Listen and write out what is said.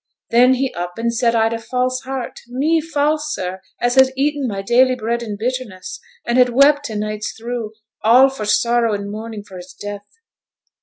Then he up and said I'd a false heart me false, sir, as had eaten my daily bread in bitterness, and had wept t' nights through, all for sorrow and mourning for his death!